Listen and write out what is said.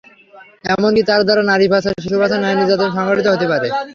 এমনকি তার দ্বারা নারী পাচার, শিশুপাচার, নারী নির্যাতন সংঘটিত হতে পারে।